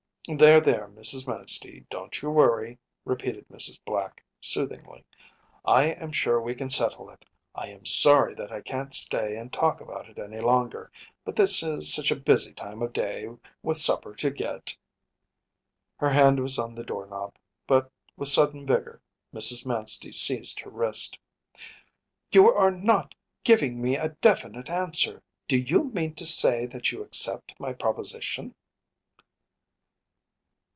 “There, there, Mrs. Manstey, don’t you worry,‚ÄĚ repeated Mrs. Black, soothingly. “I am sure we can settle it. I am sorry that I can’t stay and talk about it any longer, but this is such a busy time of day, with supper to get ‚ÄĚ Her hand was on the door knob, but with sudden vigor Mrs. Manstey seized her wrist. “You are not giving me a definite answer. Do you mean to say that you accept my proposition?